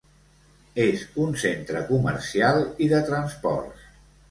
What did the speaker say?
És un centre comercial i de transports.